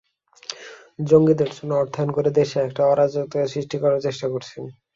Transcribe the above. জঙ্গিদের জন্য অর্থায়ন করে দেশে একটা অরাজকতা সৃষ্টি করার চেষ্টা করছেন।